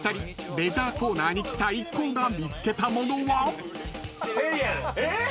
レジャーコーナーに来た一行が見つけたものは？］